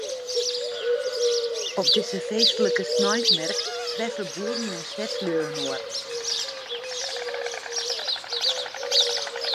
Op dizze feestlike sneinsmerk treffe boeren en stedslju inoar.